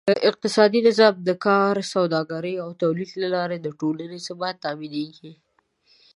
اقتصادي نظام: د کار، سوداګرۍ او تولید له لارې د ټولنې ثبات تأمینېږي.